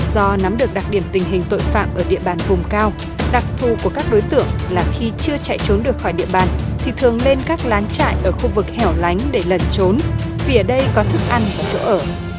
do nắm được đặc điểm tình hình tội phạm ở địa bàn vùng cao đặc thù của các đối tượng là khi chưa chạy trốn được khỏi địa bàn thì thường lên các lán trại ở khu vực hẻo lánh để lẩn trốn vì ở đây có thức ăn và chỗ ở